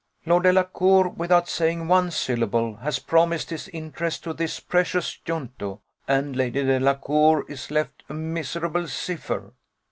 Lord Delacour, without saying one syllable, has promised his interest to this precious junto, and Lady Delacour is left a miserable cipher.